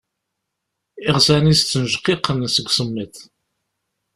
Iɣsan-is ttnejqiqen seg usemmiḍ.